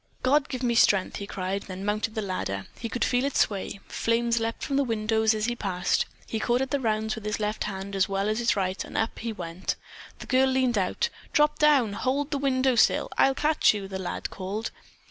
"God, give me strength!" he cried; then mounted the ladder. He could feel it sway. Flames leaped from the windows as he passed. He caught at the rounds with his left hand as well as his right, and up, up he went. The girl leaned far out. "Drop down. Hold to the window sill! I'll catch you," the lad called.